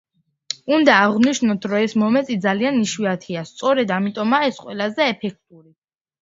უნდა აღვნიშნოთ, რომ ეს მომენტი ძალიან იშვიათია, სწორედ ამიტომაა ის ყველაზე ეფექტური.